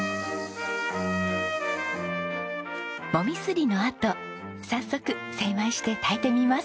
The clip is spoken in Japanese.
もみすりのあと早速精米して炊いてみます。